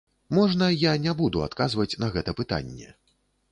Можна я не буду адказваць на гэта пытанне?